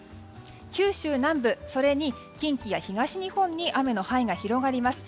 九州南部それに近畿や東日本に雨の範囲が広がります。